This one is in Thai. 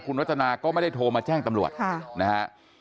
คุณวัฒนาก็ไม่ได้โทรมาแจ้งตำรวจนะฮะ